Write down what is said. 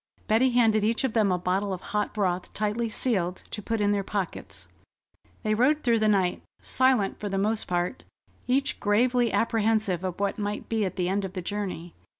Betty handed each of them a bottle of hot broth tightly sealed, to put in their pockets. They rode through the night, silent for the most part, each gravely apprehensive of what might be at the end of the journey.